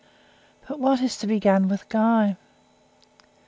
"But what is to be done with Guy?"